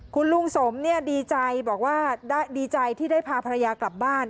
คุณลุงสมดีใจบอกว่าดีใจที่ได้พาภรรยากลับบ้าน